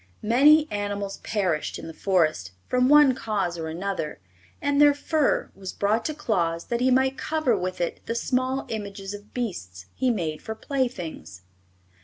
Many animals perished in the Forest, from one cause or another, and their fur was brought to Claus that he might cover with it the small images of beasts he made for playthings.